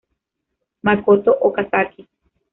Makoto Okazaki